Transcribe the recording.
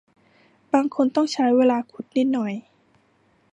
บางคนต้องใช้เวลาขุดนิดหน่อย